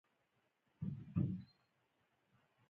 مونږ لوبې کوو